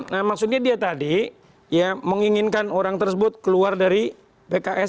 nah maksudnya dia tadi ya menginginkan orang tersebut keluar dari pks